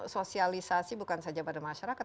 sosialisasi bukan saja pada masyarakat